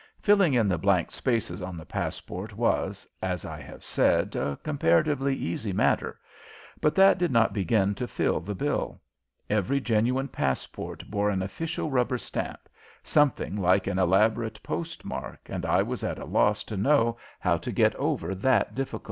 Filling in the blank spaces on the passport was, as I have said, a comparatively easy matter, but that did not begin to fill the bill. Every genuine passport bore an official rubber stamp, something like an elaborate postmark, and I was at a loss to know how to get over that difficulty.